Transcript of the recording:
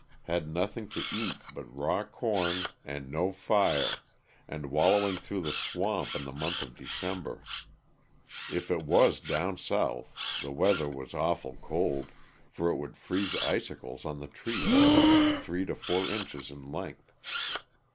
Had nothing to eat but raw corn 300 LOSS OF THE sulta:n'A. and no fire, and wallowing through the swamp in the month of December. If it tuas down south the weather was awful cold, for it would freeze icicles on the trees from three to four inches in length.